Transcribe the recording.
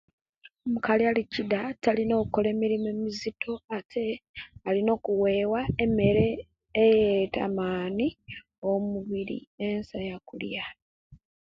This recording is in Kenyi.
Omukali alikida talina okola emilimo emizito ate aina okuwewa emere eleta amani o'mubiri ensa yakulya